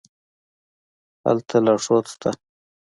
هلته لارښود شته.